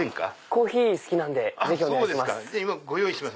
コーヒー好きなんでぜひお願いします。